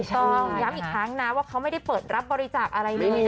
ต้องย้ำอีกครั้งนะว่าเขาไม่ได้เปิดรับบริจาคอะไรเลย